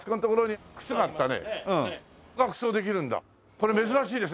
これ珍しいですね